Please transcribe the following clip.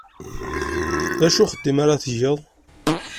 D acu n uxeddim ara tgeḍ?